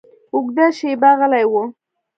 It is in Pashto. اوږده شېبه غلی و.